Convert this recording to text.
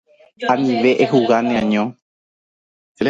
Anive ehuga neaño.